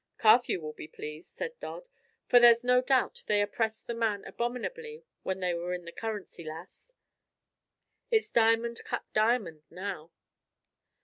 "Carthew will be pleased," said Dodd; "for there's no doubt they oppressed the man abominably when they were in the Currency Lass. It's diamond cut diamond now."